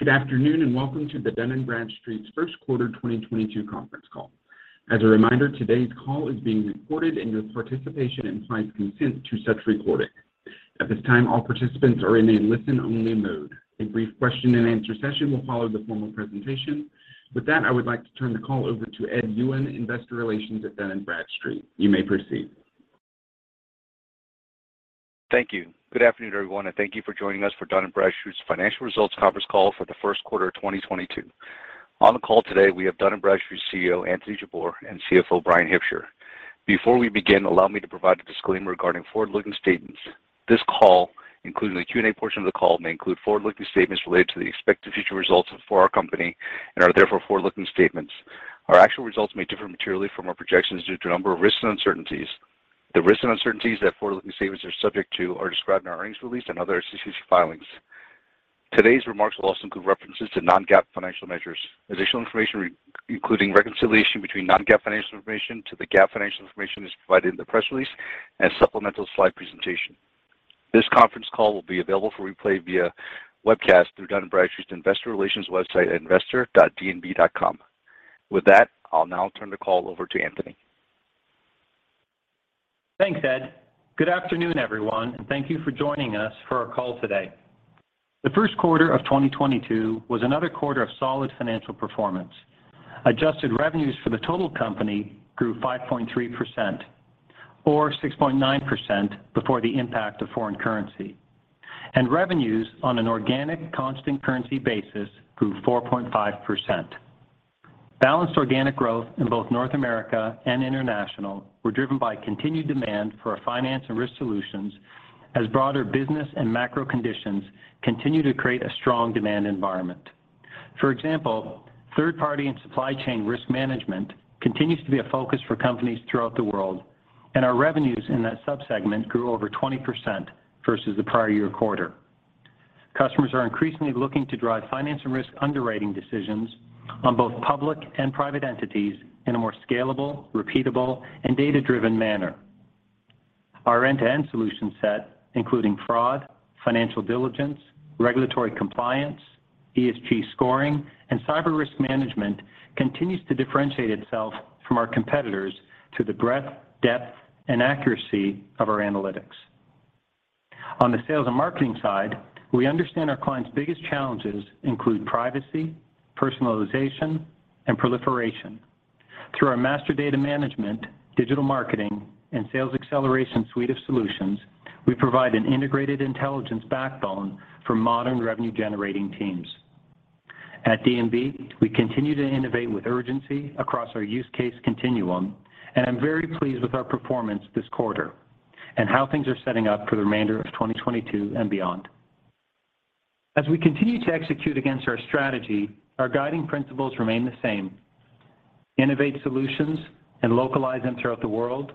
Good afternoon, and welcome to the Dun & Bradstreet's first quarter 2022 conference call. As a reminder, today's call is being recorded, and your participation implies consent to such recording. At this time, all participants are in a listen-only mode. A brief question-and-answer session will follow the formal presentation. With that, I would like to turn the call over to Ed Yuen, Investor Relations at Dun & Bradstreet. You may proceed. Thank you. Good afternoon, everyone, and thank you for joining us for Dun & Bradstreet's financial results conference call for the first quarter of 2022. On the call today we have Dun & Bradstreet's CEO, Anthony Jabbour and CFO, Bryan Hipsher. Before we begin, allow me to provide a disclaimer regarding forward-looking statements. This call, including the Q and A portion of the call, may include forward-looking statements related to the expected future results for our company and are therefore forward-looking statements. Our actual results may differ materially from our projections due to a number of risks and uncertainties. The risks and uncertainties that forward-looking statements are subject to are described in our earnings release and other SEC filings. Today's remarks will also include references to non-GAAP financial measures. Additional information, including reconciliation between non-GAAP financial information to the GAAP financial information is provided in the press release and supplemental slide presentation. This conference call will be available for replay via webcast through Dun & Bradstreet's Investor Relations website at investor.dnb.com. With that, I'll now turn the call over to Anthony. Thanks, Ed. Good afternoon, everyone, and thank you for joining us for our call today. The first quarter of 2022 was another quarter of solid financial performance. Adjusted revenues for the total company grew 5.3%, or 6.9% before the impact of foreign currency. Revenues on an organic constant currency basis grew 4.5%. Balanced organic growth in both North America and international were driven by continued demand for our finance and risk solutions as broader business and macro conditions continue to create a strong demand environment. For example, third party and supply chain risk management continues to be a focus for companies throughout the world, and our revenues in that sub-segment grew over 20% versus the prior year quarter. Customers are increasingly looking to drive finance and risk underwriting decisions on both public and private entities in a more scalable, repeatable, and data-driven manner. Our end-to-end solution set, including fraud, financial diligence, regulatory compliance, ESG scoring, and cyber risk management continues to differentiate itself from our competitors through the breadth, depth, and accuracy of our analytics. On the sales and marketing side, we understand our clients' biggest challenges include privacy, personalization, and proliferation. Through our master data management, digital marketing, and sales acceleration suite of solutions, we provide an integrated intelligence backbone for modern revenue-generating teams. At D&B, we continue to innovate with urgency across our use case continuum, and I'm very pleased with our performance this quarter and how things are setting up for the remainder of 2022 and beyond. As we continue to execute against our strategy, our guiding principles remain the same, innovate solutions and localize them throughout the world,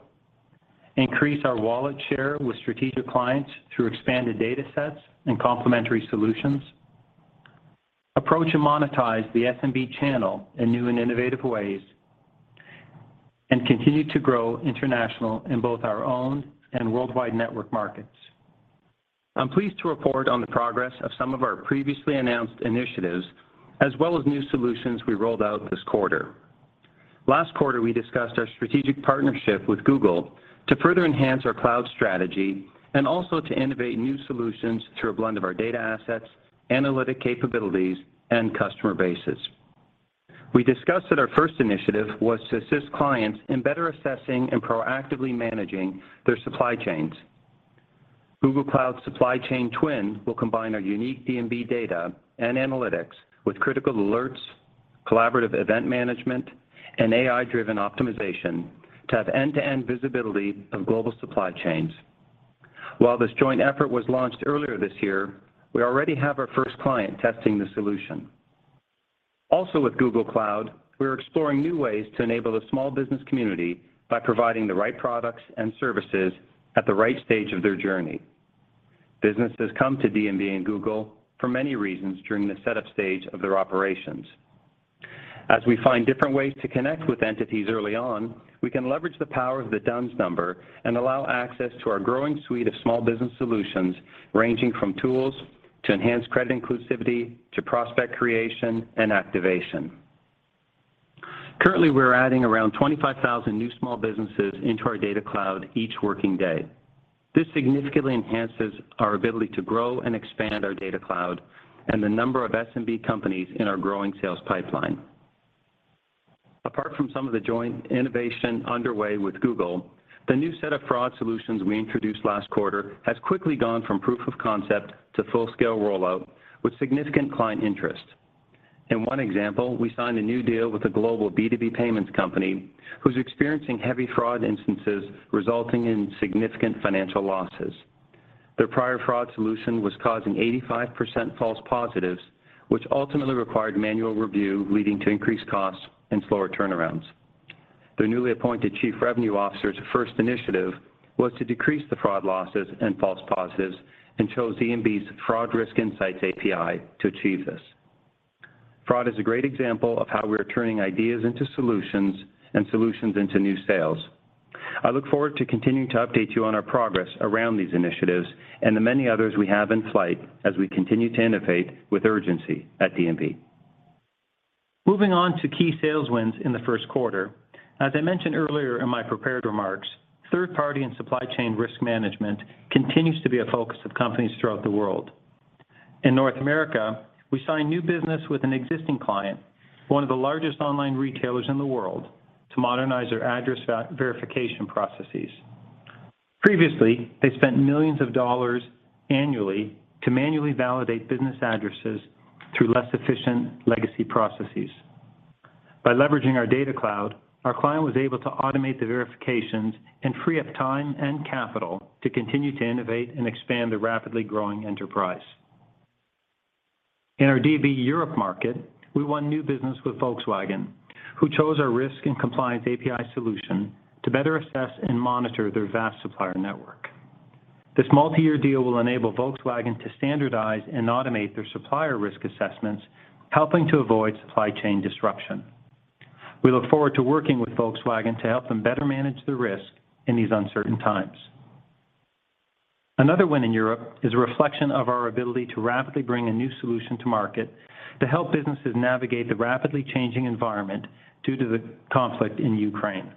increase our wallet share with strategic clients through expanded datasets and complementary solutions, approach and monetize the SMB channel in new and innovative ways, and continue to grow international in both our own and worldwide network markets. I'm pleased to report on the progress of some of our previously announced initiatives as well as new solutions we rolled out this quarter. Last quarter, we discussed our strategic partnership with Google to further enhance our cloud strategy and also to innovate new solutions through a blend of our data assets, analytic capabilities, and customer bases. We discussed that our first initiative was to assist clients in better assessing and proactively managing their supply chains. Google Cloud Supply Chain Twin will combine our unique D&B data and analytics with critical alerts, collaborative event management, and AI-driven optimization to have end-to-end visibility of global supply chains. While this joint effort was launched earlier this year, we already have our first client testing the solution. Also with Google Cloud, we're exploring new ways to enable the small business community by providing the right products and services at the right stage of their journey. Businesses come to D&B and Google for many reasons during the setup stage of their operations. As we find different ways to connect with entities early on, we can leverage the power of the D-U-N-S Number and allow access to our growing suite of small business solutions, ranging from tools to enhance credit inclusivity to prospect creation and activation. Currently, we're adding around 25,000 new small businesses into our data cloud each working day. This significantly enhances our ability to grow and expand our data cloud and the number of SMB companies in our growing sales pipeline. Apart from some of the joint innovation underway with Google, the new set of fraud solutions we introduced last quarter has quickly gone from proof of concept to full-scale rollout with significant client interest. In one example, we signed a new deal with a global B2B payments company who's experiencing heavy fraud instances resulting in significant financial losses. Their prior fraud solution was causing 85% false positives, which ultimately required manual review, leading to increased costs and slower turnarounds. Their newly appointed chief revenue officer's first initiative was to decrease the fraud losses and false positives and chose D&B's Fraud Risk Insights API to achieve this. Fraud is a great example of how we are turning ideas into solutions and solutions into new sales. I look forward to continuing to update you on our progress around these initiatives and the many others we have in flight as we continue to innovate with urgency at D&B. Moving on to key sales wins in the first quarter. As I mentioned earlier in my prepared remarks, third party and supply chain risk management continues to be a focus of companies throughout the world. In North America, we signed new business with an existing client, one of the largest online retailers in the world, to modernize their address verification processes. Previously, they spent millions of dollars annually to manually validate business addresses through less efficient legacy processes. By leveraging our data cloud, our client was able to automate the verifications and free up time and capital to continue to innovate and expand their rapidly growing enterprise. In our D&B Europe market, we won new business with Volkswagen, who chose our risk and compliance API solution to better assess and monitor their vast supplier network. This multi-year deal will enable Volkswagen to standardize and automate their supplier risk assessments, helping to avoid supply chain disruption. We look forward to working with Volkswagen to help them better manage the risk in these uncertain times. Another win in Europe is a reflection of our ability to rapidly bring a new solution to market to help businesses navigate the rapidly changing environment due to the conflict in Ukraine.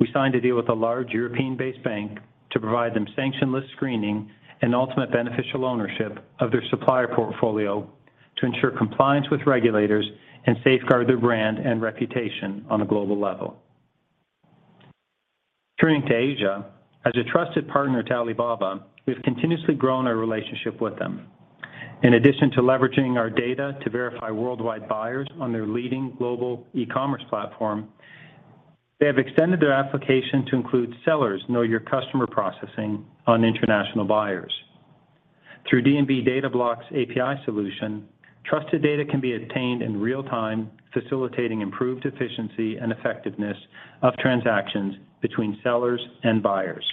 We signed a deal with a large European-based bank to provide them sanction list screening and ultimate beneficial ownership of their supplier portfolio to ensure compliance with regulators and safeguard their brand and reputation on a global level. Turning to Asia, as a trusted partner to Alibaba, we've continuously grown our relationship with them. In addition to leveraging our data to verify worldwide buyers on their leading global e-commerce platform, they have extended their application to include sellers' know-your-customer processing on international buyers. Through D&B Data Blocks' API solution, trusted data can be obtained in real time, facilitating improved efficiency and effectiveness of transactions between sellers and buyers.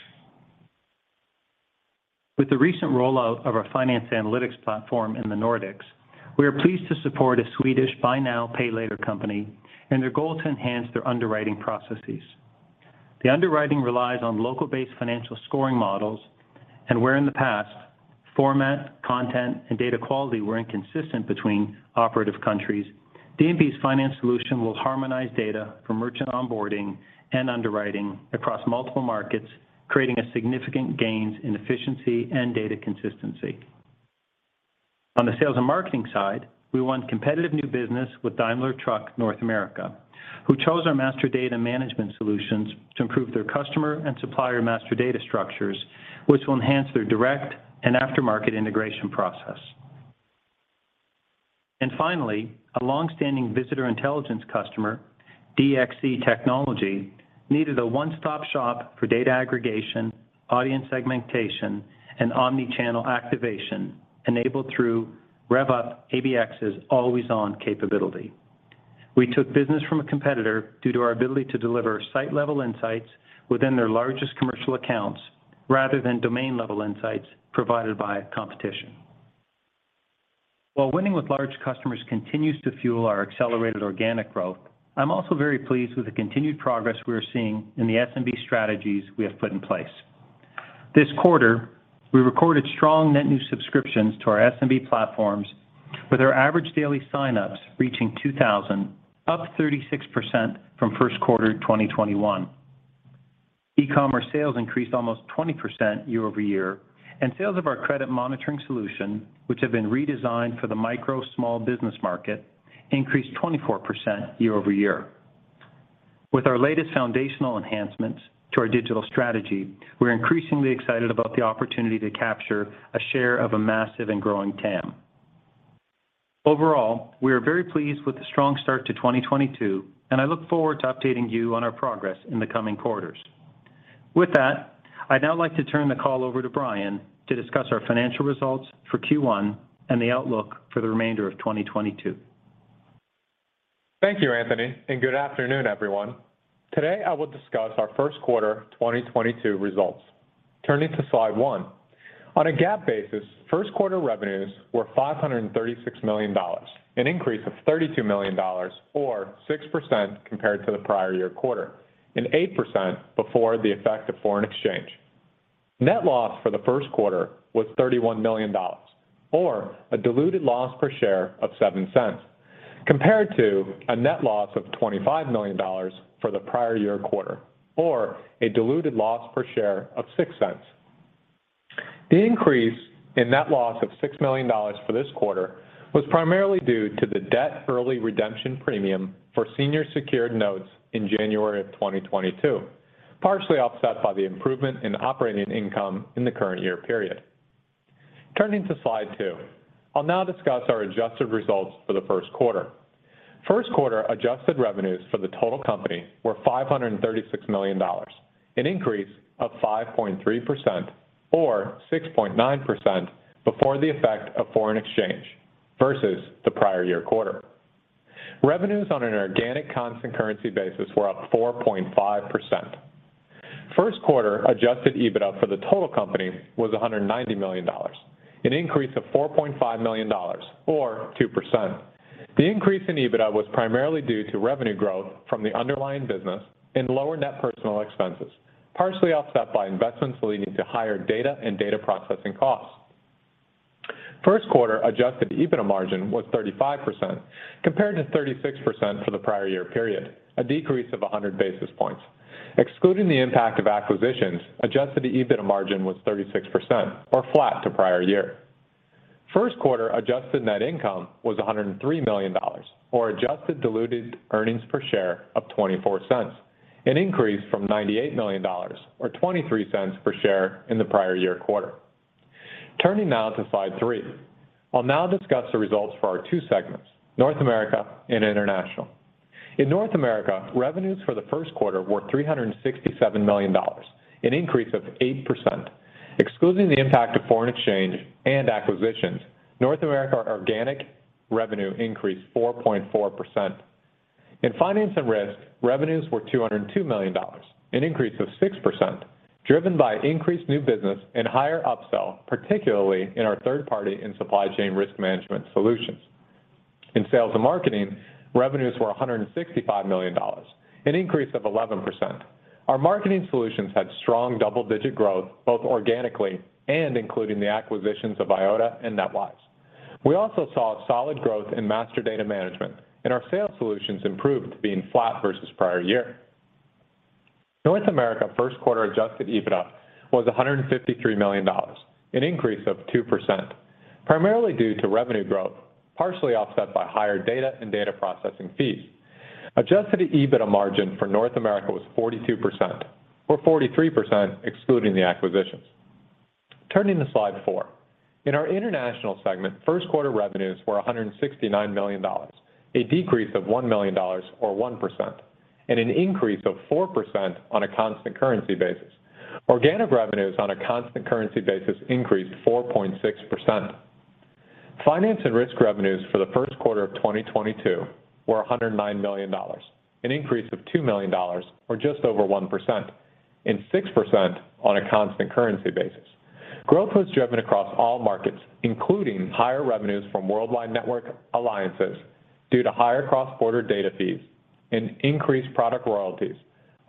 With the recent rollout of our finance analytics platform in the Nordics, we are pleased to support a Swedish buy now, pay later company and their goal to enhance their underwriting processes. The underwriting relies on local-based financial scoring models, and where in the past, format, content, and data quality were inconsistent between operative countries. D&B's finance solution will harmonize data for merchant onboarding and underwriting across multiple markets, creating a significant gains in efficiency and data consistency. On the sales and marketing side, we won competitive new business with Daimler Truck North America, who chose our master data management solutions to improve their customer and supplier master data structures, which will enhance their direct and aftermarket integration process. Finally, a long-standing visitor intelligence customer, DXC Technology, needed a one-stop shop for data aggregation, audience segmentation, and omni-channel activation enabled through Rev.Up ABX's always-on capability. We took business from a competitor due to our ability to deliver site-level insights within their largest commercial accounts rather than domain-level insights provided by competition. While winning with large customers continues to fuel our accelerated organic growth, I'm also very pleased with the continued progress we are seeing in the SMB strategies we have put in place. This quarter, we recorded strong net new subscriptions to our SMB platforms, with our average daily signups reaching 2,000, up 36% from first quarter 2021. E-commerce sales increased almost 20% year-over-year, and sales of our credit monitoring solution, which have been redesigned for the micro small business market, increased 24% year-over-year. With our latest foundational enhancements to our digital strategy, we're increasingly excited about the opportunity to capture a share of a massive and growing TAM. Overall, we are very pleased with the strong start to 2022, and I look forward to updating you on our progress in the coming quarters. With that, I'd now like to turn the call over to Bryan to discuss our financial results for Q1 and the outlook for the remainder of 2022. Thank you, Anthony, and good afternoon, everyone. Today, I will discuss our first quarter 2022 results. Turning to slide one. On a GAAP basis, first quarter revenues were $536 million, an increase of $32 million or 6% compared to the prior year quarter and 8% before the effect of foreign exchange. Net loss for the first quarter was $31 million or a diluted loss per share of $0.07 compared to a net loss of $25 million for the prior year quarter, or a diluted loss per share of $0.06. The increase in net loss of $6 million for this quarter was primarily due to the debt early redemption premium for senior secured notes in January 2022, partially offset by the improvement in operating income in the current year period. Turning to slide two. I'll now discuss our adjusted results for the first quarter. First quarter adjusted revenues for the total company were $536 million, an increase of 5.3% or 6.9% before the effect of foreign exchange versus the prior year quarter. Revenues on an organic constant currency basis were up 4.5%. First quarter Adjusted EBITDA for the total company was $190 million, an increase of $4.5 million or 2%. The increase in EBITDA was primarily due to revenue growth from the underlying business and lower net personal expenses, partially offset by investments leading to higher data and data processing costs. First quarter adjusted EBITDA margin was 35% compared to 36% for the prior year period, a decrease of 100 basis points. Excluding the impact of acquisitions, Adjusted EBITDA margin was 36% or flat to prior year. First quarter adjusted net income was $103 million, or adjusted diluted earnings per share of $0.24, an increase from $98 million or $0.23 per share in the prior year quarter. Turning now to slide three. I'll now discuss the results for our two segments, North America and International. In North America, revenues for the first quarter were $367 million, an increase of 8%. Excluding the impact of foreign exchange and acquisitions, North America organic revenue increased 4.4%. In Finance and Risk, revenues were $202 million, an increase of 6% driven by increased new business and higher upsell, particularly in our third party and supply chain risk management solutions. In sales and marketing, revenues were $165 million, an increase of 11%. Our marketing solutions had strong double-digit growth both organically and including the acquisitions of Eyeota and NetWise. We also saw solid growth in master data management, and our sales solutions improved to being flat versus prior year. North America first quarter Adjusted EBITDA was $153 million, an increase of 2%, primarily due to revenue growth, partially offset by higher data and data processing fees. Adjusted EBITDA margin for North America was 42%, or 43% excluding the acquisitions. Turning to slide four. In our international segment, first quarter revenues were $169 million, a decrease of $1 million or 1%, and an increase of 4% on a constant currency basis. Organic revenues on a constant currency basis increased 4.6%. Finance and risk revenues for the first quarter of 2022 were $109 million, an increase of $2 million, or just over 1%, and 6% on a constant currency basis. Growth was driven across all markets, including higher revenues from worldwide network alliances due to higher cross-border data fees and increased product royalties,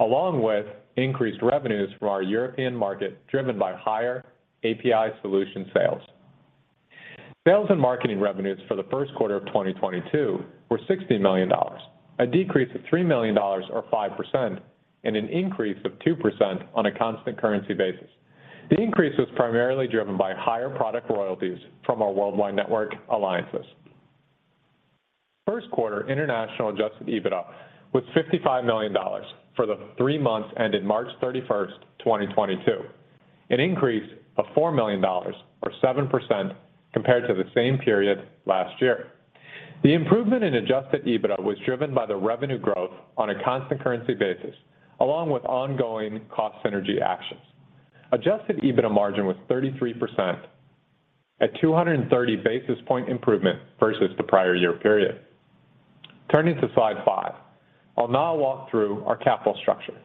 along with increased revenues from our European market, driven by higher API solution sales. Sales and marketing revenues for the first quarter of 2022 were $60 million, a decrease of $3 million or 5%, and an increase of 2% on a constant currency basis. The increase was primarily driven by higher product royalties from our worldwide network alliances. First quarter international Adjusted EBITDA was $55 million for the three months ended March 31st, 2022, an increase of $4 million or 7% compared to the same period last year. The improvement in Adjusted EBITDA was driven by the revenue growth on a constant currency basis, along with ongoing cost synergy actions. Adjusted EBITDA margin was 33% at a 230 basis point improvement versus the prior year period. Turning to slide fivet. I'll now walk through our capital structure.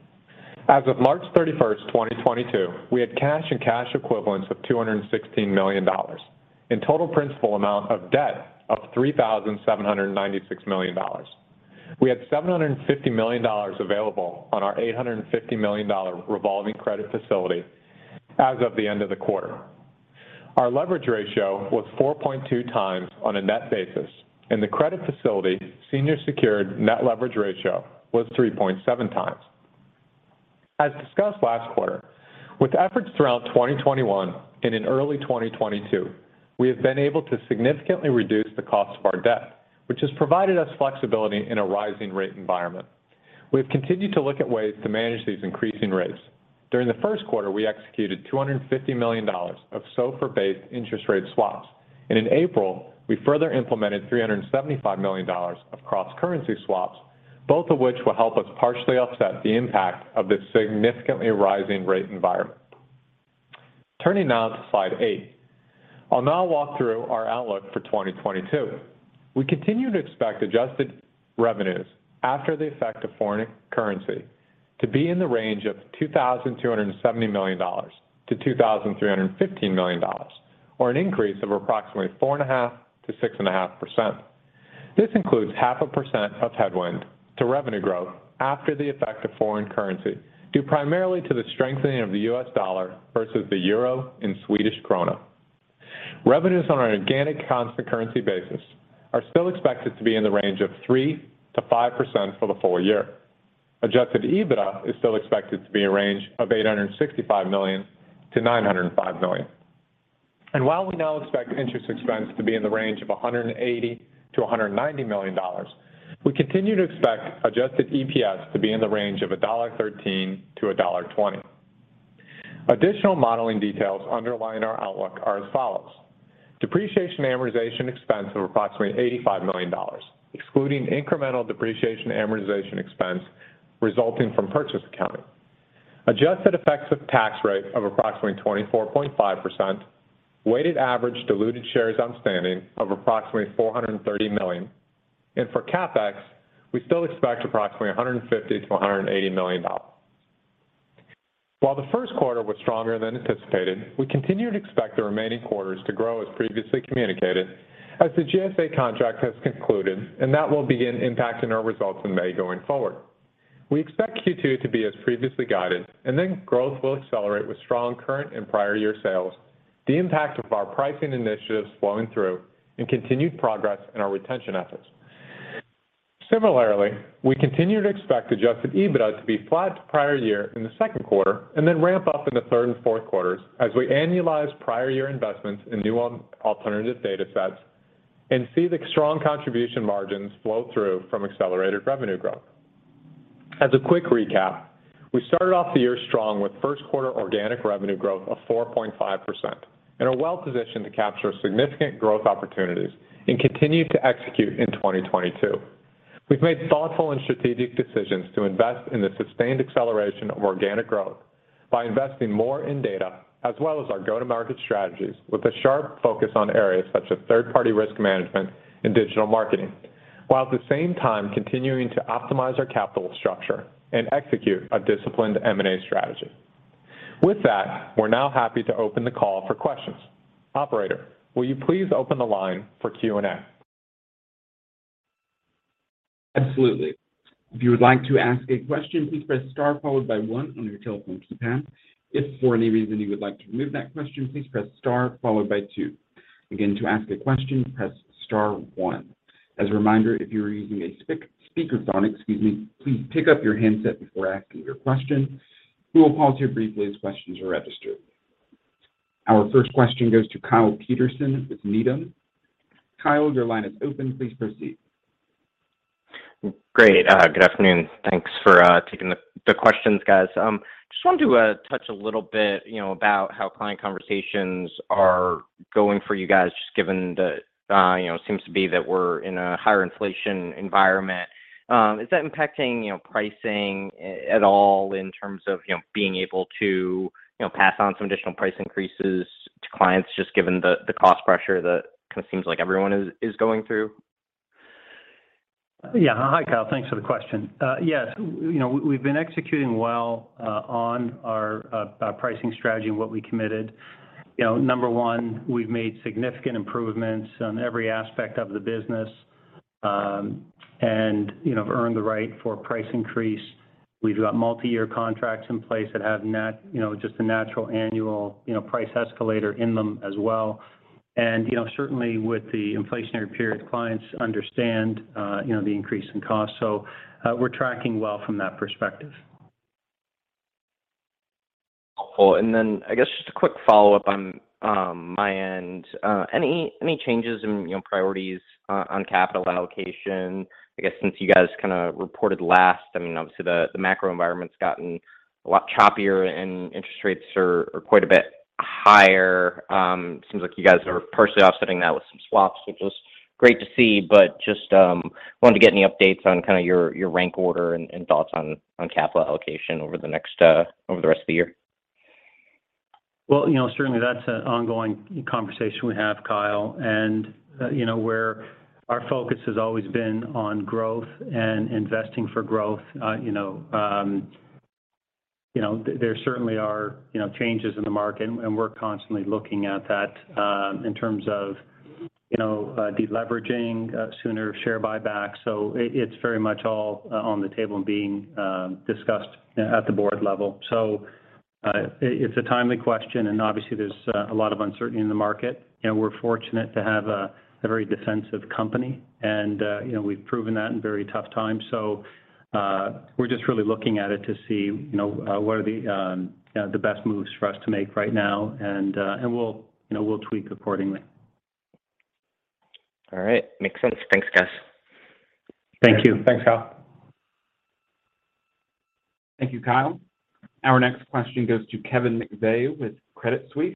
As of March 31st, 2022, we had cash and cash equivalents of $216 million and total principal amount of debt of $3,796 million. We had $750 million available on our $850 million revolving credit facility as of the end of the quarter. Our leverage ratio was 4.2 times on a net basis, and the credit facility senior secured net leverage ratio was 3.7 times. As discussed last quarter, with efforts throughout 2021 and in early 2022, we have been able to significantly reduce the cost of our debt, which has provided us flexibility in a rising rate environment. We have continued to look at ways to manage these increasing rates. During the first quarter, we executed $250 million of SOFR-based interest rate swaps, and in April, we further implemented $375 million of cross-currency swaps, both of which will help us partially offset the impact of this significantly rising rate environment. Turning now to slide eight. I'll now walk through our outlook for 2022. We continue to expect adjusted revenues after the effect of foreign currency to be in the range of $2,270 million-$2,315 million, or an increase of approximately 4.5%-6.5%. This includes 0.5% of headwind to revenue growth after the effect of foreign currency, due primarily to the strengthening of the US dollar versus the euro and Swedish krona. Revenues on an organic constant currency basis are still expected to be in the range of 3%-5% for the full year. Adjusted EBITDA is still expected to be in the range of $865 million-$905 million. While we now expect interest expense to be in the range of $180 million-$190 million, we continue to expect Adjusted EPS to be in the range of $1.13-$1.20. Additional modeling details underlying our outlook are as follows. Depreciation and amortization expense of approximately $85 million, excluding incremental depreciation and amortization expense resulting from purchase accounting. Adjusted effective tax rate of approximately 24.5%, weighted average diluted shares outstanding of approximately 430 million. For CapEx, we still expect approximately $150 million-$180 million. While the first quarter was stronger than anticipated, we continue to expect the remaining quarters to grow as previously communicated as the GSA contract has concluded, and that will begin impacting our results in May going forward. We expect Q2 to be as previously guided, and then growth will accelerate with strong current and prior year sales, the impact of our pricing initiatives flowing through, and continued progress in our retention efforts. Similarly, we continue to expect Adjusted EBITDA to be flat to prior year in the second quarter and then ramp up in the third and fourth quarters as we annualize prior year investments in new alternative data sets and see the strong contribution margins flow through from accelerated revenue growth. As a quick recap, we started off the year strong with first quarter organic revenue growth of 4.5% and are well-positioned to capture significant growth opportunities and continue to execute in 2022. We've made thoughtful and strategic decisions to invest in the sustained acceleration of organic growth by investing more in data as well as our go-to-market strategies with a sharp focus on areas such as third-party risk management and digital marketing, while at the same time continuing to optimize our capital structure and execute a disciplined M&A strategy. With that, we're now happy to open the call for questions. Operator, will you please open the line for Q and A? Absolutely. If you would like to ask a question, please press star followed by one on your telephone keypad. If for any reason you would like to remove that question, please press star followed by two. Again, to ask a question, press star one. As a reminder, if you are using a speakerphone, excuse me, please pick up your handset before asking your question. We will pause here briefly as questions are registered. Our first question goes to Kyle Peterson with Needham. Kyle, your line is open. Please proceed. Great. Good afternoon. Thanks for taking the questions, guys. Just wanted to touch a little bit, you know, about how client conversations are going for you guys, just given the seems to be that we're in a higher inflation environment. Is that impacting, you know, pricing at all in terms of, you know, being able to, you know, pass on some additional price increases to clients just given the cost pressure that kind of seems like everyone is going through? Yeah. Hi, Kyle. Thanks for the question. Yes, you know, we've been executing well on our pricing strategy and what we committed. You know, number one, we've made significant improvements on every aspect of the business, and, you know, earned the right for a price increase. We've got multiyear contracts in place that have you know, just a natural annual, you know, price escalator in them as well. You know, certainly with the inflationary period, clients understand, you know, the increase in cost. We're tracking well from that perspective. Cool. Then I guess just a quick follow-up on my end. Any changes in, you know, priorities on capital allocation? I guess since you guys kinda reported last, I mean, obviously the macro environment's gotten a lot choppier and interest rates are quite a bit higher. Seems like you guys are partially offsetting that with some swaps, which is great to see. Just wanted to get any updates on kinda your rank order and thoughts on capital allocation over the rest of the year. Well, you know, certainly that's an ongoing conversation we have, Kyle. You know, where our focus has always been on growth and investing for growth, you know, there certainly are, you know, changes in the market and we're constantly looking at that in terms of, you know, deleveraging, sooner share buybacks. It's very much all on the table and being discussed at the board level. It's a timely question, and obviously there's a lot of uncertainty in the market, and we're fortunate to have a very defensive company and, you know, we've proven that in very tough times. We're just really looking at it to see, you know, what are the best moves for us to make right now, and we'll, you know, tweak accordingly. All right. Makes sense. Thanks, guys. Thank you. Thanks, Kyle. Thank you, Kyle. Our next question goes to Kevin McVeigh with Credit Suisse.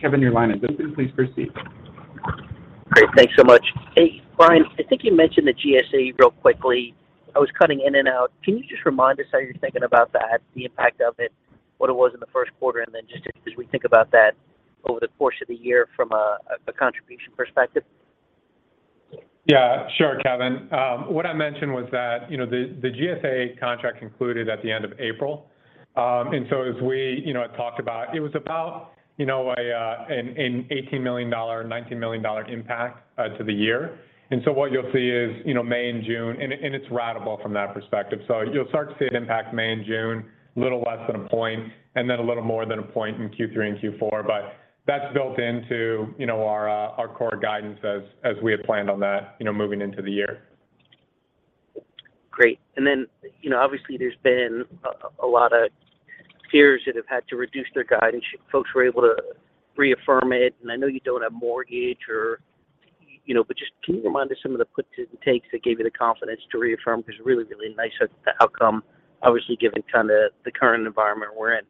Kevin, your line is open. Please proceed. Great. Thanks so much. Hey, Bryan, I think you mentioned the GSA really quickly. I was cutting in and out. Can you just remind us how you're thinking about that, the impact of it, what it was in the first quarter, and then just as we think about that over the course of the year from a contribution perspective? Yeah, sure, Kevin. What I mentioned was that, you know, the GSA contract concluded at the end of April. As we, you know, had talked about, it was about, you know, an $18 million-$19 million impact to the year. What you'll see is, you know, May and June. It's ratable from that perspective. You'll start to see it impact May and June, a little less than 1%, and then a little more than 1% in Q3 and Q4. That's built into, you know, our core guidance as we had planned on that, you know, moving into the year. Great. Then, you know, obviously there's been a lot of firms that have had to reduce their guidance. Folks were able to reaffirm it. I know you don't have mortgage or, you know, but just can you remind us some of the puts and takes that gave you the confidence to reaffirm? Because really nice outcome, obviously given kinda the current environment we're in.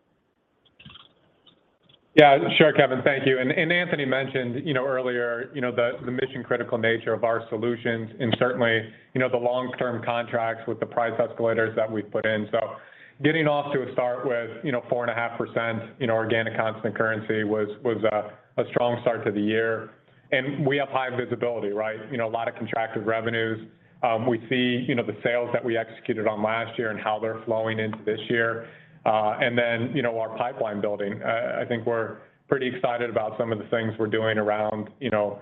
Yeah, sure, Kevin. Thank you. Anthony mentioned, you know, earlier, you know, the mission-critical nature of our solutions and certainly, you know, the long-term contracts with the price escalators that we've put in. Getting off to a start with, you know, 4.5% in organic constant currency was a strong start to the year. We have high visibility, right? You know, a lot of contracted revenues. We see, you know, the sales that we executed on last year and how they're flowing into this year. Then, you know, our pipeline building. I think we're pretty excited about some of the things we're doing around, you know,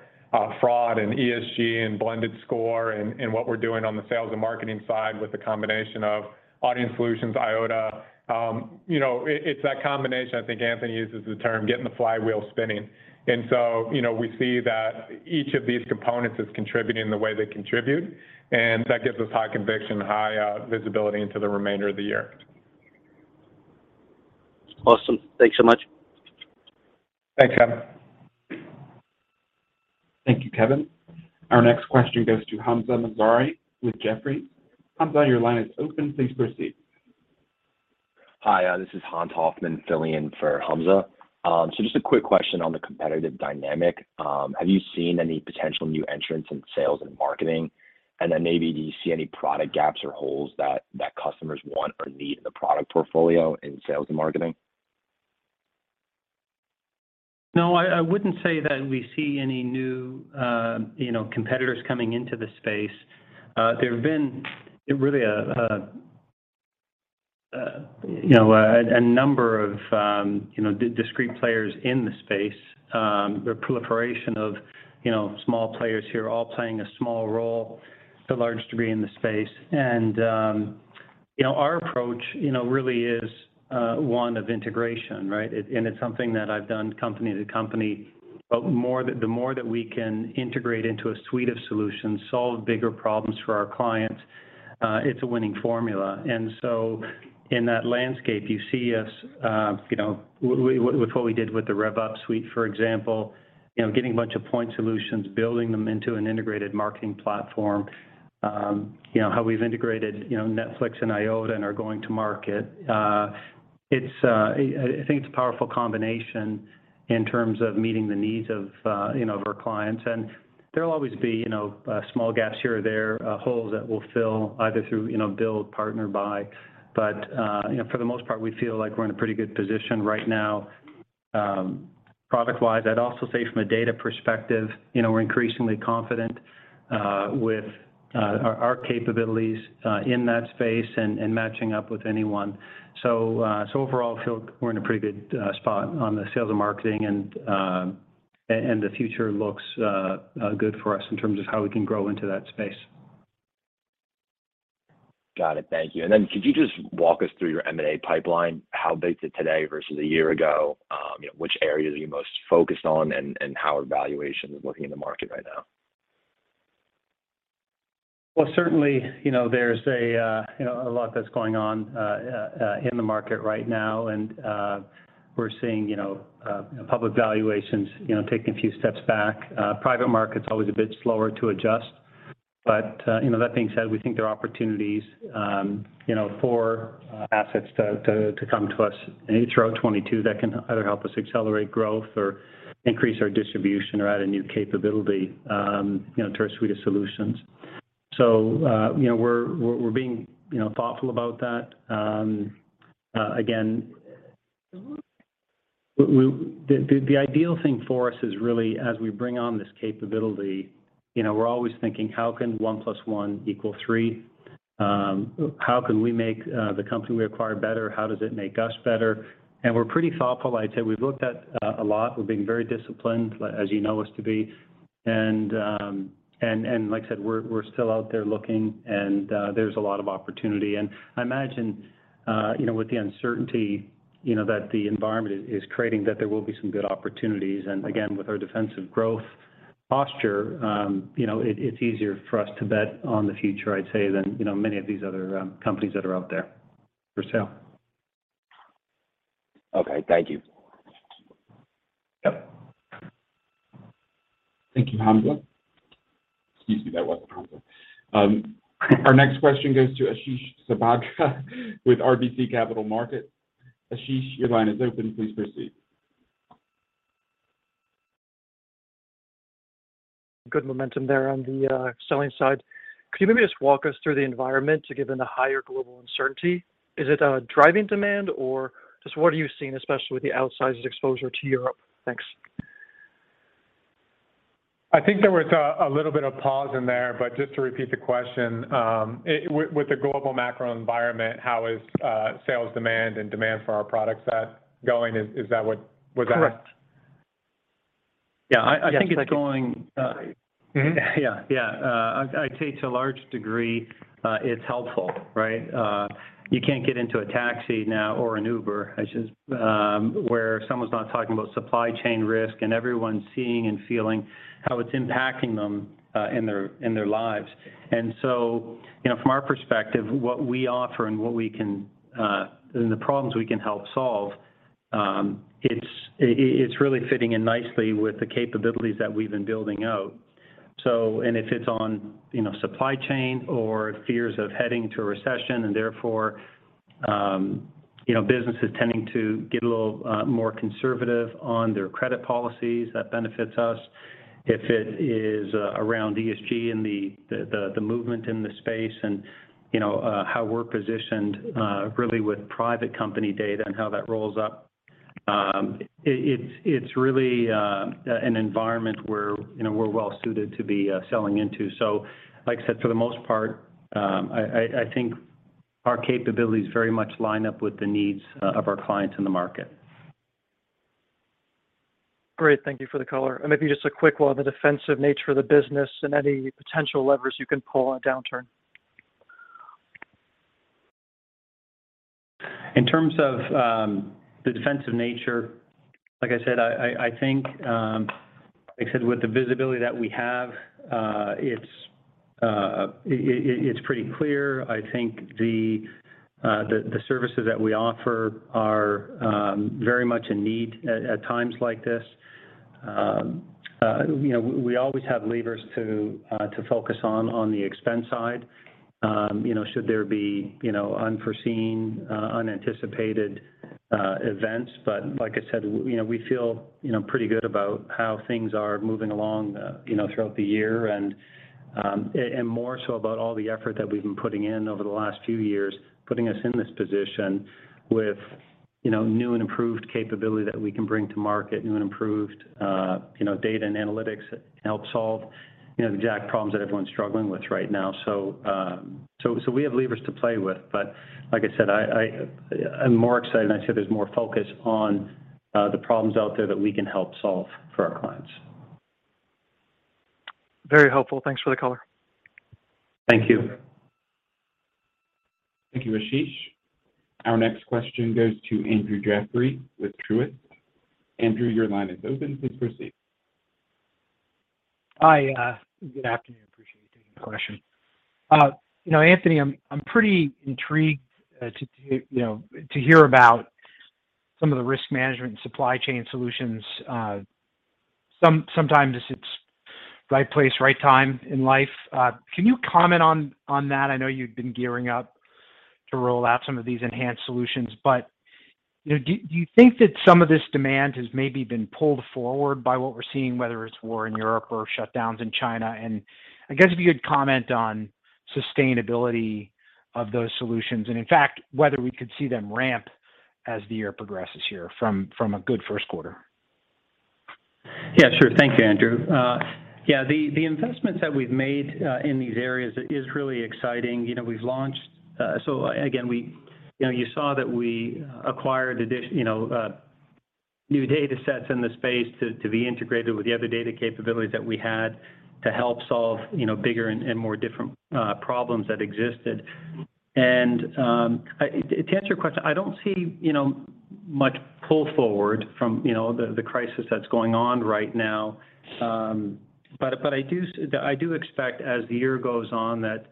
fraud and ESG and blended score and what we're doing on the sales and marketing side with the combination of Audience Solutions, Eyeota. It's that combination. I think Anthony uses the term getting the flywheel spinning. You know, we see that each of these components is contributing the way they contribute, and that gives us high conviction, high visibility into the remainder of the year. Awesome. Thanks so much. Thanks, Kevin. Thank you, Kevin. Our next question goes to Hamzah Mazari with Jefferies. Hamzah, your line is open. Please proceed. Hi, this is Hans Hoffman filling in for Hamzah. Just a quick question on the competitive dynamic. Have you seen any potential new entrants in sales and marketing? Then maybe do you see any product gaps or holes that customers want or need in the product portfolio in sales and marketing? No, I wouldn't say that we see any new, you know, competitors coming into the space. There have been really a number of, you know, discrete players in the space. The proliferation of, you know, small players here all playing a small role to a large degree in the space. Our approach, you know, really is one of integration, right? And it's something that I've done company to company. The more that we can integrate into a suite of solutions, solve bigger problems for our clients, it's a winning formula. In that landscape, you see us, you know, with what we did with the Rev.Up suite, for example. You know, getting a bunch of point solutions, building them into an integrated marketing platform. You know, how we've integrated NetWise and Eyeota and are going to market. It's, I think, a powerful combination in terms of meeting the needs of, you know, our clients. There'll always be, you know, small gaps here or there, holes that we'll fill either through, you know, build, partner, buy. For the most part, we feel like we're in a pretty good position right now, product-wise. I'd also say from a data perspective, you know, we're increasingly confident with our capabilities in that space and matching up with anyone. Overall, I feel we're in a pretty good spot on the sales and marketing and the future looks good for us in terms of how we can grow into that space. Got it. Thank you. Could you just walk us through your M&A pipeline, how big is it today versus a year ago? You know, which areas are you most focused on, and how are valuations looking in the market right now? Well, certainly, you know, there's a, you know, a lot that's going on in the market right now. We're seeing, you know, public valuations, you know, taking a few steps back. Private market's always a bit slower to adjust. That being said, we think there are opportunities, you know, for assets to come to us in H2 2022 that can either help us accelerate growth or increase our distribution or add a new capability, you know, to our suite of solutions. You know, we're being, you know, thoughtful about that. Again, the ideal thing for us is really, as we bring on this capability, you know, we're always thinking, how can one plus one equal three? How can we make the company we acquire better? How does it make us better? We're pretty thoughtful. I'd say we've looked at a lot. We're being very disciplined, as you know us to be. Like I said, we're still out there looking, and there's a lot of opportunity. I imagine, you know, with the uncertainty, you know, that the environment is creating, that there will be some good opportunities. Again, with our defensive growth posture, you know, it's easier for us to bet on the future, I'd say, than, you know, many of these other companies that are out there for sale. Okay. Thank you. Yep. Thank you, Hamzah. Excuse me, that wasn't Hamzah. Our next question goes to Ashish Sabadra with RBC Capital Markets. Ashish, your line is open. Please proceed. Good momentum there on the selling side. Could you maybe just walk us through the environment, given the higher global uncertainty? Is it driving demand, or just what are you seeing, especially with the outsized exposure to Europe? Thanks. I think there was a little bit of pause in there, but just to repeat the question, with the global macro environment, how is sales demand and demand for our products going? Is that what was asked? Correct. Yeah. I think it's going. Mm-hmm. I'd say to a large degree, it's helpful, right? You can't get into a taxi now or an Uber where someone's not talking about supply chain risk and everyone's seeing and feeling how it's impacting them in their lives. You know, from our perspective, what we offer and what we can and the problems we can help solve, it's really fitting in nicely with the capabilities that we've been building out. If it's on, you know, supply chain or fears of heading to a recession and therefore, you know, businesses tending to get a little more conservative on their credit policies, that benefits us. If it is around ESG and the movement in the space and, you know, how we're positioned really with private company data and how that rolls up, it's really an environment where, you know, we're well suited to be selling into. Like I said, for the most part, I think our capabilities very much line up with the needs of our clients in the market. Great. Thank you for the color. Maybe just a quick one on the defensive nature of the business and any potential levers you can pull on a downturn. In terms of the defensive nature, like I said, I think, like I said, with the visibility that we have, it's pretty clear. I think the services that we offer are very much in need at times like this. You know, we always have levers to focus on the expense side, you know, should there be unforeseen, unanticipated events. Like I said, you know, we feel, you know, pretty good about how things are moving along, you know, throughout the year and more so about all the effort that we've been putting in over the last few years, putting us in this position with, you know, new and improved capability that we can bring to market, new and improved, you know, data and analytics that help solve, you know, the jack problems that everyone's struggling with right now. We have levers to play with, but like I said, I'm more excited, and I'd say there's more focus on, the problems out there that we can help solve for our clients. Very helpful. Thanks for the color. Thank you. Thank you, Ashish. Our next question goes to Andrew Jeffrey with Truist. Andrew, your line is open. Please proceed. Hi, good afternoon. Appreciate you taking the question. You know, Anthony, I'm pretty intrigued you know, to hear about some of the risk management and supply chain solutions. Sometimes it's right place, right time in life. Can you comment on that? I know you've been gearing up to roll out some of these enhanced solutions, but you know, do you think that some of this demand has maybe been pulled forward by what we're seeing, whether it's war in Europe or shutdowns in China? I guess if you could comment on sustainability of those solutions, and in fact, whether we could see them ramp as the year progresses here from a good first quarter. Yeah, sure. Thank you, Andrew. Yeah, the investments that we've made in these areas is really exciting. You know, we've launched. Again, we, you know, you saw that we acquired new data sets in the space to be integrated with the other data capabilities that we had to help solve, you know, bigger and more different problems that existed. To answer your question, I don't see, you know, much pull forward from, you know, the crisis that's going on right now. I do expect as the year goes on that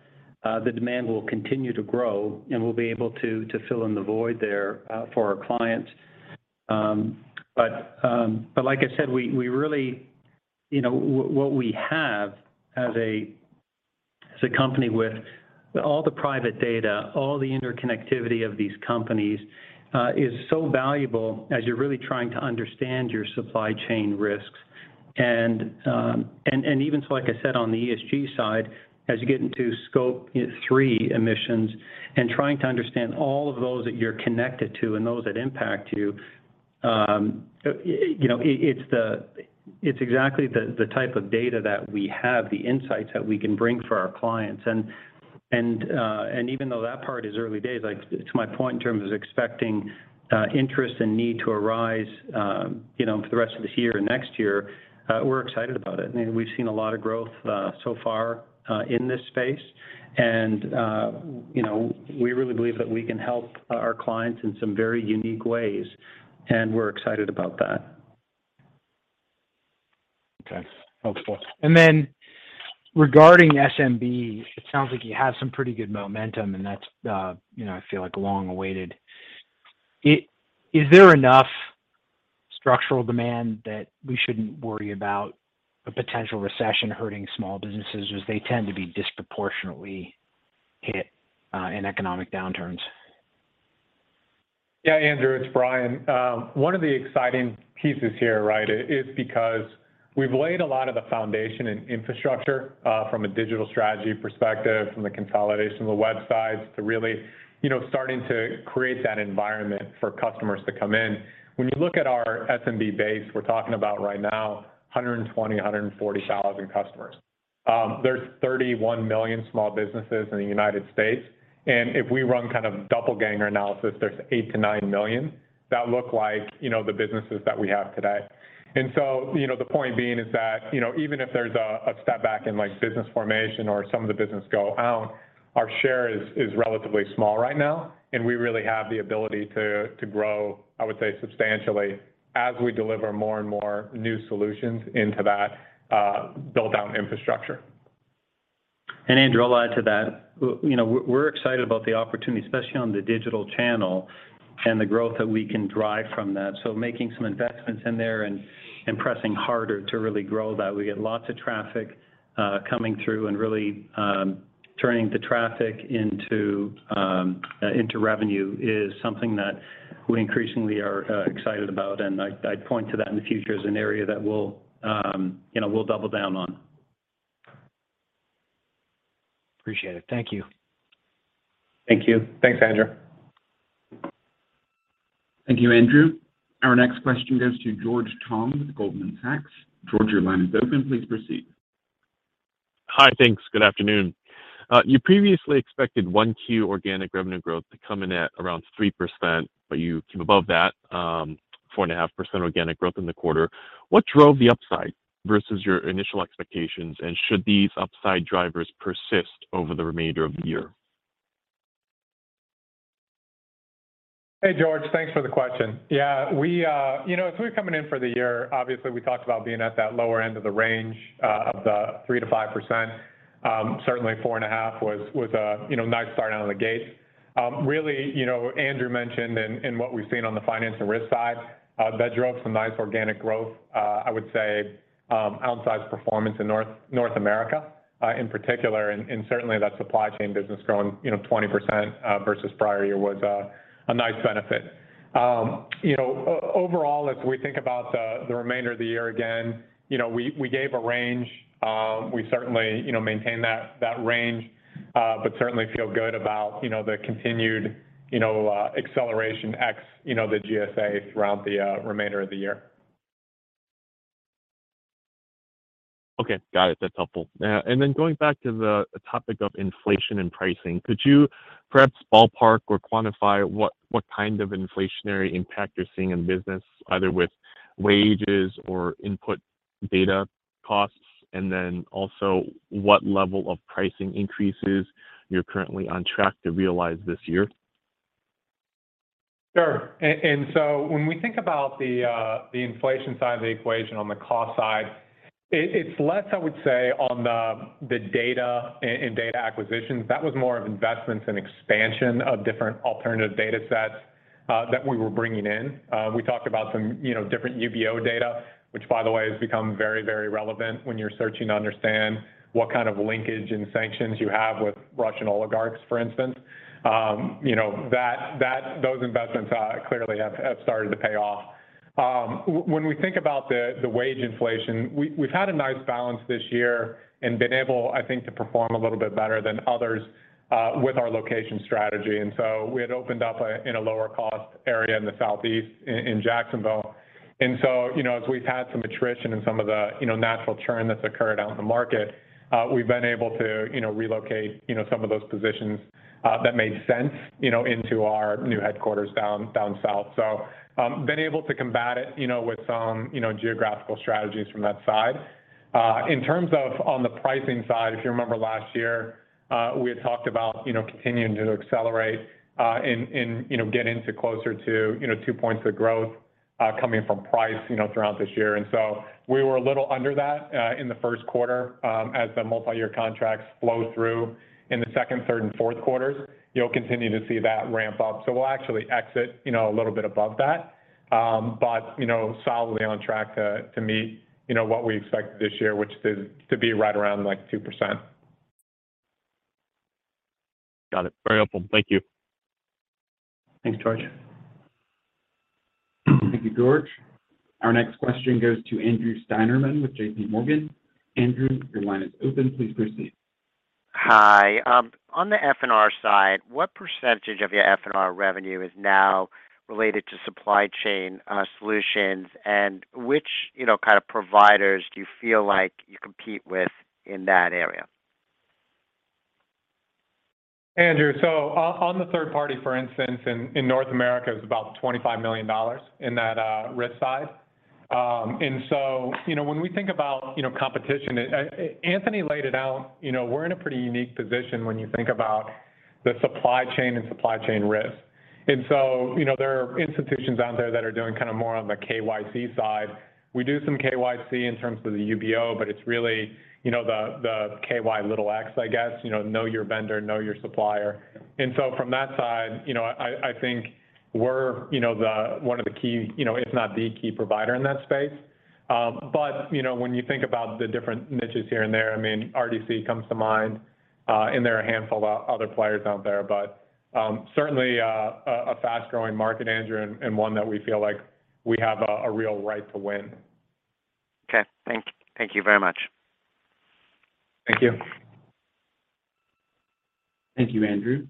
the demand will continue to grow, and we'll be able to fill in the void there for our clients. Like I said, we really, you know, what we have as a company with all the private data, all the interconnectivity of these companies, is so valuable as you're really trying to understand your supply chain risks. Even so, like I said on the ESG side, as you get into Scope 3 emissions and trying to understand all of those that you're connected to and those that impact you know, it's exactly the type of data that we have, the insights that we can bring for our clients. Even though that part is early days, like to my point in terms of expecting interest and need to arise, you know, for the rest of this year or next year, we're excited about it. I mean, we've seen a lot of growth so far in this space and you know, we really believe that we can help our clients in some very unique ways, and we're excited about that. Okay. Helpful. Then regarding SMB, it sounds like you have some pretty good momentum, and that's, you know, I feel like long-awaited. Is there enough structural demand that we shouldn't worry about a potential recession hurting small businesses as they tend to be disproportionately hit, in economic downturns? Yeah. Andrew, it's Bryan. One of the exciting pieces here, right, is because we've laid a lot of the foundation and infrastructure from a digital strategy perspective, from the consolidation of the websites to really, you know, starting to create that environment for customers to come in. When you look at our SMB base, we're talking about right now 120-140 thousand customers. There's 31 million small businesses in the United States, and if we run kind of doppelganger analysis, there's 8-9 million that look like, you know, the businesses that we have today. You know, the point being is that, you know, even if there's a step back in like business formation or some of the business go out, our share is relatively small right now, and we really have the ability to grow, I would say, substantially as we deliver more and more new solutions into that build-out infrastructure. An drew, I'll add to that. You know, we're excited about the opportunity, especially on the digital channel and the growth that we can drive from that. Making some investments in there and pressing harder to really grow that. We get lots of traffic coming through and really turning the traffic into revenue is something that we increasingly are excited about. I'd point to that in the future as an area that we'll, you know, we'll double down on. Appreciate it. Thank you. Thank you. Thanks, Andrew. Thank you, Andrew. Our next question goes to George Tong with Goldman Sachs. George, your line is open. Please proceed. Hi. Thanks. Good afternoon. You previously expected low single-digit organic revenue growth to come in at around 3%, but you came above that, 4.5% organic growth in the quarter. What drove the upside versus your initial expectations? Should these upside drivers persist over the remainder of the year? Hey, George. Thanks for the question. Yeah. We, you know, as we were coming in for the year, obviously, we talked about being at that lower end of the range, of the 3%-5%. Certainly 4.5% was, you know, nice starting out of the gate. Really, you know, Andrew mentioned and what we've seen on the finance and risk side, that drove some nice organic growth, I would say, outsized performance in North America, in particular, and certainly that supply chain business growing, you know, 20% versus prior year was a nice benefit. You know, overall, as we think about the remainder of the year, again, you know, we gave a range. We certainly, you know, maintain that range, but certainly feel good about, you know, the continued, you know, acceleration ex the GSA throughout the remainder of the year. Okay. Got it. That's helpful. Going back to the topic of inflation and pricing, could you perhaps ballpark or quantify what kind of inflationary impact you're seeing in business, either with wages or input data costs, and then also what level of pricing increases you're currently on track to realize this year? Sure. When we think about the inflation side of the equation on the cost side, it's less, I would say, on the data and data acquisitions. That was more of investments and expansion of different alternative datasets that we were bringing in. We talked about some, you know, different UBO data, which by the way, has become very, very relevant when you're searching to understand what kind of linkage and sanctions you have with Russian oligarchs, for instance. You know, those investments clearly have started to pay off. When we think about the wage inflation, we've had a nice balance this year and been able, I think, to perform a little bit better than others with our location strategy. We had opened up in a lower cost area in the southeast in Jacksonville. You know, as we've had some attrition and some of the natural churn that's occurred out in the market, we've been able to relocate some of those positions that made sense into our new headquarters down south. Been able to combat it with some geographical strategies from that side. In terms of on the pricing side, if you remember last year, we had talked about continuing to accelerate and getting closer to two points of growth coming from price throughout this year. We were a little under that in the first quarter. As the multi-year contracts flow through in the second, third, and fourth quarters, you'll continue to see that ramp up. We'll actually exit, you know, a little bit above that. You know, solidly on track to meet, you know, what we expect this year, which is to be right around like 2%. Got it. Very helpful. Thank you. Thanks, George. Thank you, George. Our next question goes to Andrew Steinerman with JPMorgan. Andrew, your line is open. Please proceed. Hi. On the FNR side, what percentage of your FNR revenue is now related to supply chain solutions and which, you know, kind of providers do you feel like you compete with in that area? Andrew, on the third party, for instance, in North America, it was about $25 million in that risk side. You know, when we think about competition, Andrew laid it out, you know, we're in a pretty unique position when you think about the supply chain and supply chain risk. You know, there are institutions out there that are doing kind of more on the KYC side. We do some KYC in terms of the UBO, but it's really, you know, the KY little X, I guess. You know your vendor, know your supplier. From that side, you know, I think we're, you know, the one of the key, you know, if not the key provider in that space. You know, when you think about the different niches here and there, I mean, RDC comes to mind, and there are a handful of other players out there. Certainly, a fast-growing market, Andrew, and one that we feel like we have a real right to win. Okay. Thank you very much. Thank you. Thank you, Andrew.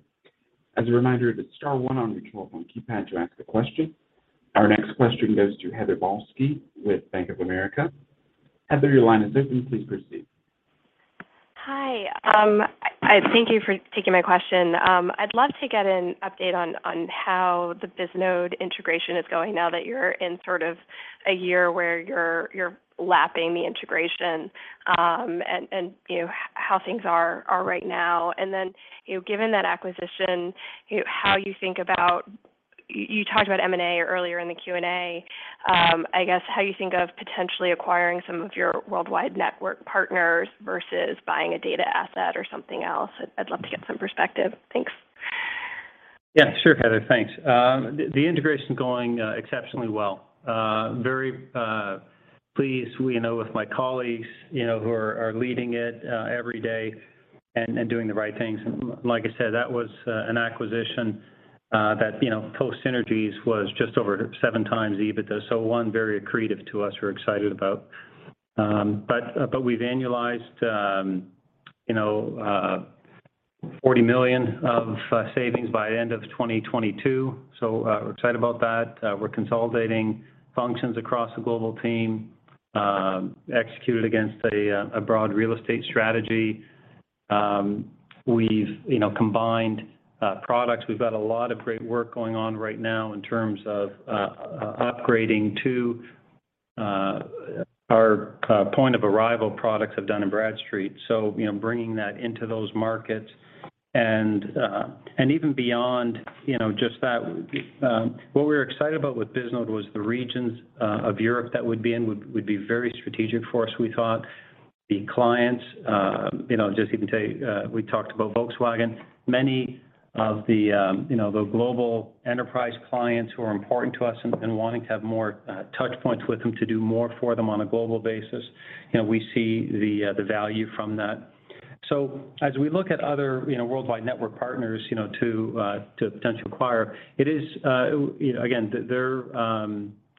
As a reminder, it is star one on your telephone keypad to ask a question. Our next question goes to Heather Balsky with Bank of America. Heather, your line is open. Please proceed. Hi. I thank you for taking my question. I'd love to get an update on how the Bisnode integration is going now that you're in sort of a year where you're lapping the integration, and you know, how things are right now. You know, given that acquisition, how you think about You talked about M&A earlier in the Q and A. I guess how you think of potentially acquiring some of your worldwide network partners versus buying a data asset or something else? I'd love to get some perspective. Thanks. Yeah, sure, Heather. Thanks. The integration's going exceptionally well. Very pleased, you know, with my colleagues, you know, who are leading it every day and doing the right things. Like I said, that was an acquisition that, you know, post synergies was just over 7 times EBITDA. One, very accretive to us. We're excited about. We've annualized, you know, $40 million of savings by end of 2022, so, we're excited about that. We're consolidating functions across the global team, executed against a broad real estate strategy. We've, you know, combined products. We've got a lot of great work going on right now in terms of upgrading to our point of arrival products of Dun & Bradstreet. You know, bringing that into those markets and even beyond, you know, just that. What we're excited about with Bisnode was the regions of Europe that would be very strategic for us, we thought. The clients, you know, just even tell you, we talked about Volkswagen. Many of the, you know, the global enterprise clients who are important to us and wanting to have more touchpoints with them to do more for them on a global basis, you know, we see the value from that. As we look at other, you know, worldwide network partners, you know, to potentially acquire, it is, you know, again,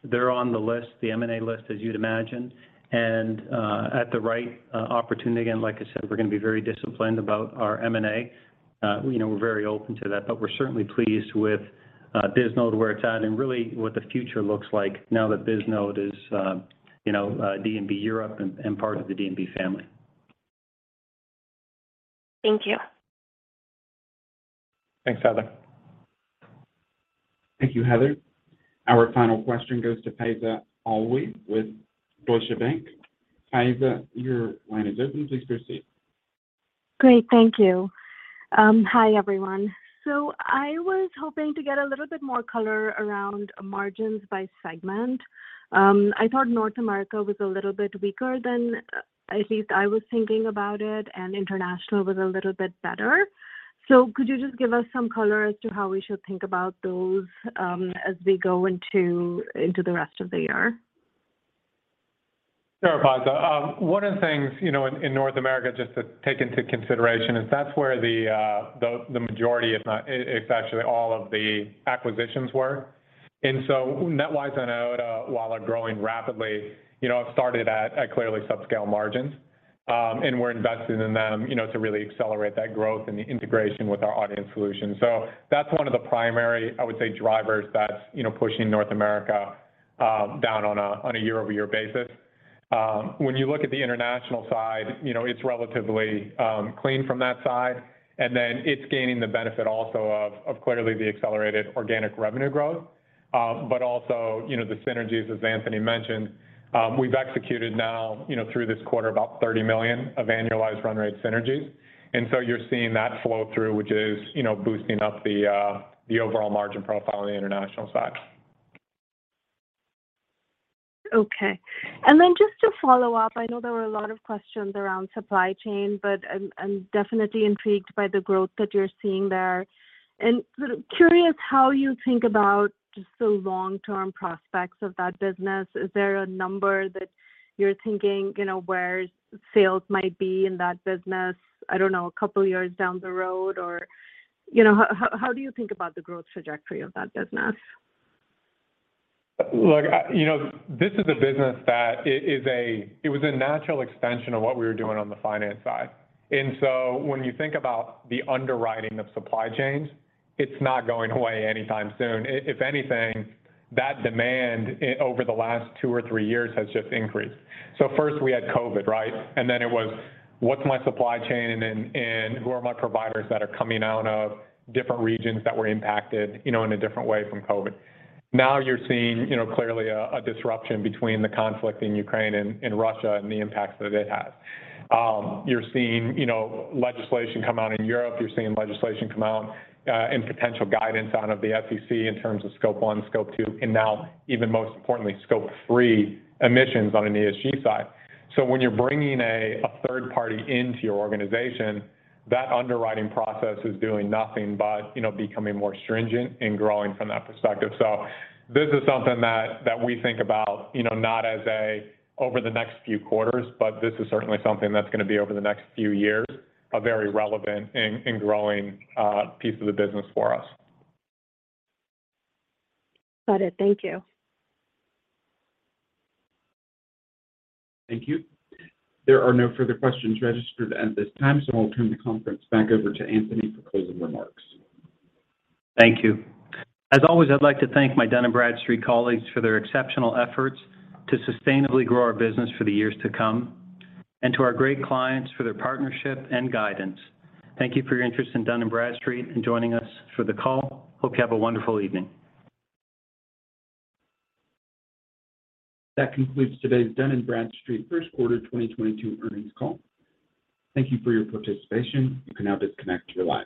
they're on the list, the M&A list, as you'd imagine. At the right opportunity, again, like I said, we're gonna be very disciplined about our M&A. You know, we're very open to that, but we're certainly pleased with Bisnode, where it's at, and really what the future looks like now that Bisnode is, you know, D&B Europe and part of the D&B family. Thank you. Thanks, Heather. Thank you, Heather. Our final question goes to Faiza Alwy with Deutsche Bank. Faiza, your line is open. Please proceed. Great. Thank you. Hi, everyone. I was hoping to get a little bit more color around margins by segment. I thought North America was a little bit weaker than at least I was thinking about it, and international was a little bit better. Could you just give us some color as to how we should think about those, as we go into the rest of the year? Sure, Faiza. One of the things, you know, in North America just to take into consideration is that's where the majority, if not, it's actually all of the acquisitions were. NetWise and Eyeota, while are growing rapidly, you know, have started at clearly subscale margins. We're investing in them, you know, to really accelerate that growth and the integration with our Audience Solutions. That's one of the primary, I would say, drivers that's, you know, pushing North America down on a year-over-year basis. When you look at the international side, you know, it's relatively clean from that side, and then it's gaining the benefit also of clearly the accelerated organic revenue growth, but also, you know, the synergies, as Anthony mentioned. We've executed now, you know, through this quarter, about $30 million of annualized run rate synergies. You're seeing that flow through, which is, you know, boosting up the overall margin profile on the international side. Okay. Then just to follow up, I know there were a lot of questions around supply chain, but I'm definitely intrigued by the growth that you're seeing there. Sort of curious how you think about just the long-term prospects of that business. Is there a number that you're thinking, you know, where sales might be in that business, I don't know, a couple of years down the road or, you know, how do you think about the growth trajectory of that business? Look, you know, this is a business. It was a natural extension of what we were doing on the finance side. When you think about the underwriting of supply chains, it's not going away anytime soon. If anything, that demand over the last two or three years has just increased. First, we had COVID, right? It was, what's my supply chain and who are my providers that are coming out of different regions that were impacted, you know, in a different way from COVID? Now you're seeing, you know, clearly a disruption between the conflict in Ukraine and Russia and the impact that it has. You're seeing, you know, legislation come out in Europe. You're seeing legislation come out, and potential guidance out of the SEC in terms of Scope 1, Scope 2, and now even most importantly, Scope 3 emissions on an ESG side. When you're bringing a third party into your organization, that underwriting process is doing nothing but, you know, becoming more stringent and growing from that perspective. This is something that we think about, you know, not over the next few quarters, but this is certainly something that's gonna be over the next few years, a very relevant and growing piece of the business for us. Got it. Thank you. Thank you. There are no further questions registered at this time, so I'll turn the conference back over to Anthony for closing remarks. Thank you. As always, I'd like to thank my Dun & Bradstreet colleagues for their exceptional efforts to sustainably grow our business for the years to come, and to our great clients for their partnership and guidance. Thank you for your interest in Dun & Bradstreet and joining us for the call. Hope you have a wonderful evening. That concludes today's Dun & Bradstreet first quarter 2022 earnings call. Thank you for your participation. You can now disconnect your lines.